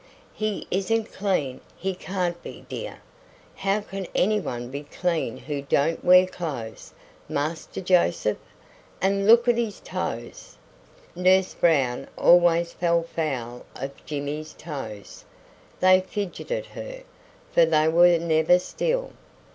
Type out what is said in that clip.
"He isn't clean; he can't be, dear. How can any one be clean who don't wear clothes, Master Joseph? and look at his toes." Nurse Brown always fell foul of Jimmy's toes. They fidgeted her, for they were never still.